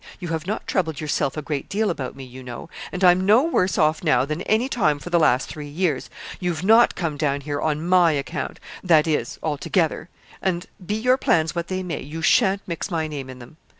You have not troubled yourself a great deal about me, you know: and I'm no worse off now than any time for the last three years. You've not come down here on my account that is, altogether; and be your plans what they may, you sha'n't mix my name in them.